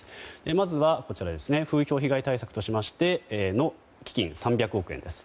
まずは、風評被害対策の基金３００億円です。